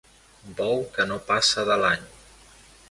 Bou que no passa de l'any.